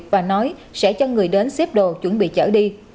và nói sẽ cho người đến xếp đồ chuẩn bị chở đi